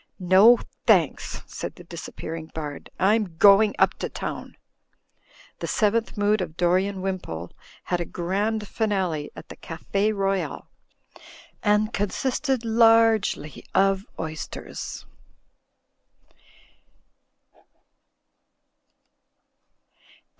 "No, thanks," said the disappearing bard, "I'm going up to town." The Seventh Mood of Dorian Wimpole had a grand finale at the Cafe Royal, and consisted largely of oysters.